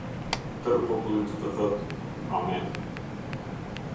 Tërë populli do të thotë: "Amen".